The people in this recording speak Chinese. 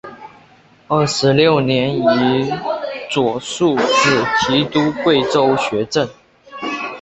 二十六年以左庶子提督贵州学政。